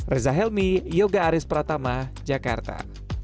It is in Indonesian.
reza helmi yoga aris pratama jakarta